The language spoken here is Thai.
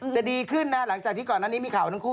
จะดีขึ้นนะหลังจากที่ก่อนหน้านี้มีข่าวทั้งคู่